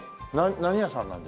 何屋さんなんですか？